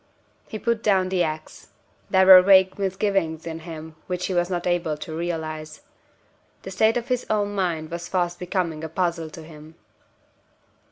He put down the ax. There were vague misgivings in him which he was not able to realize. The state of his own mind was fast becoming a puzzle to him.